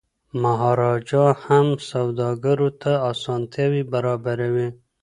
مهاراجا هم سوداګرو ته اسانتیاوي برابروي.